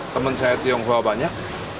teman saya tionghoa banyak